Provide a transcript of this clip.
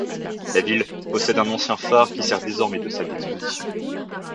La ville possède un ancien phare qui sert désormais de salle d'exposition.